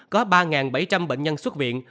có ba bảy trăm linh bệnh nhân xuất viện